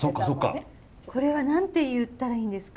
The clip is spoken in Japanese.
これは何て言ったらいいんですか？